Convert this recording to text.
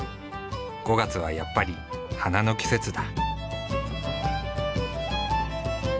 ５月はやっぱり花の季節だ。